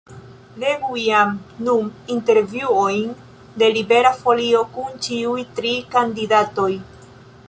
Legu jam nun intervjuojn de Libera Folio kun ĉiuj tri kandidatoj.